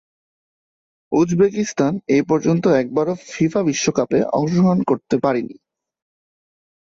Uzbekistan এপর্যন্ত একবারও FIFA বিশ্বকাপে অংশগ্রহণ করে পারেনি।